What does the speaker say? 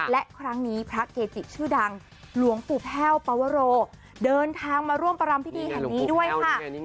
และครั้งนี้พระเกจิชื่อดังหลวงปู่แพ่วปวโรเดินทางมาร่วมประรำพิธีแห่งนี้ด้วยค่ะ